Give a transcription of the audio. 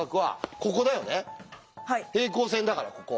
平行線だからここ。